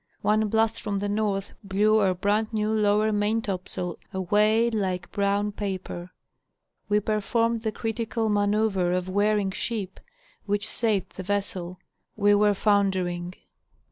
One blast from the north blew our brand new lower maintopsail away like brown paper. We performed The Law of Storms. 205 the critical maneuver of wearing ship, which saved the vessel : we were foundering."